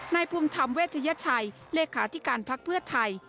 ภูมิธรรมเวชยชัยเลขาธิการพักเพื่อไทย